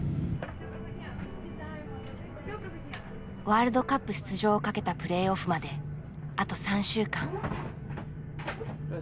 ワールドカップ出場をかけたプレーオフまであと３週間。